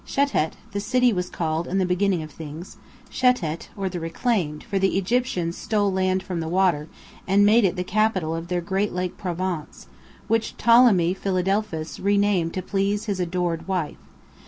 Shetet, the city was called in the beginning of things; Shetet, or the "Reclaimed," for the Egyptians stole land from the water, and made it the capital of their great Lake Province, which Ptolemy Philadelphus renamed to please his adored wife.